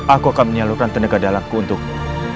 aku akan menyalurkan tenaga dalamku untukmu